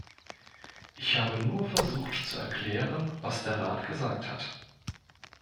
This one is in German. Ich habe nur versucht, zu erklären, was der Rat gesagt hat.